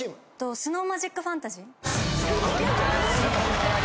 『スノーマジックファンタジー』